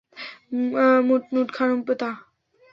মুট, নুট, খানুম, পেতাহ।